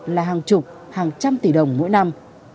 là hàng chục hàng trăm tỷ đồng mỗi năm